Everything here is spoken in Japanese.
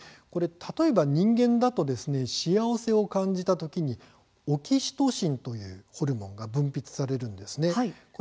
例えば人間は幸せを感じたときにオキシトシンというホルモンが分泌されます。